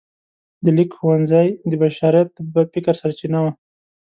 د لیک ښوونځی د بشریت د فکر سرچینه وه.